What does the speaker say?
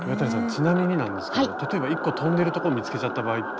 ちなみになんですけど例えば１個飛んでるとこ見つけちゃった場合って。